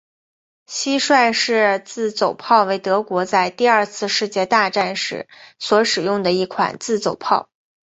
蟋蟀式自走炮为德国在第二次世界大战时所使用的一款自走炮。